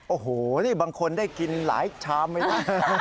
โอ้โหนี่บางคนได้กินหลายชามไม่ได้